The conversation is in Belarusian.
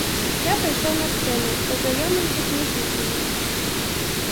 Я пайшоў на сцэну, пазнаёміўся з музыкамі.